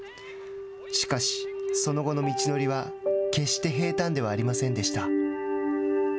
しかし、その後の道のりは決して平たんではありませんでした。